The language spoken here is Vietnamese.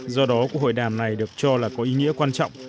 do đó cuộc hội đàm này được cho là có ý nghĩa quan trọng